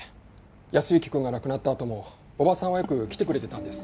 靖之くんが亡くなったあともおばさんはよく来てくれてたんです。